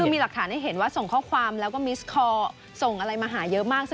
คือมีหลักฐานให้เห็นว่าส่งข้อความแล้วก็มิสคอร์ส่งอะไรมาหาเยอะมาก